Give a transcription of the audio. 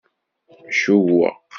Cewweq.